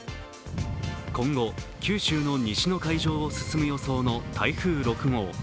今後、九州の西の海上を進む予想の台風６号。